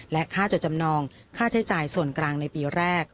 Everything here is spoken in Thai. และค่าจดจำนองค่าใช้จ่ายส่วนกลางในปีแรก